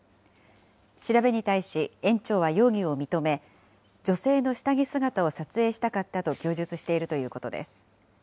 調べに対し、園長は容疑を認め、女性の下着姿を撮影したかったと供述しているということです。